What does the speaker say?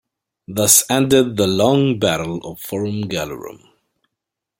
Thus ended the long battle of Forum Gallorum.